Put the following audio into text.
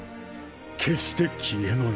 決して消えない。